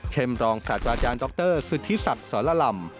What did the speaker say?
รองศาสตราจารย์ดรสุธิศักดิ์สรลำ